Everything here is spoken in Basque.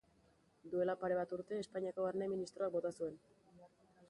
Duela pare bat urte Espainiako Barne ministroak bota zuen.